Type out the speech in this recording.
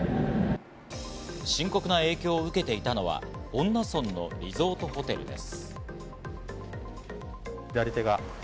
深刻な影響を受けていたのは恩納村のリゾートホテルです。